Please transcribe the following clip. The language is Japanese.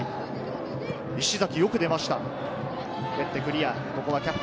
石崎、よく出ました。